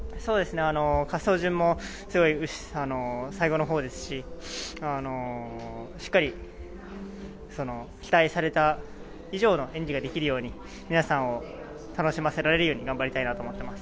滑走順も最後のほうですししっかり期待された以上の演技ができるように皆さんを楽しませられるように頑張りたいと思っています。